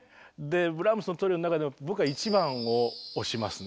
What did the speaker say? ブラームスのトリオの中でも僕は「１番」を推しますね。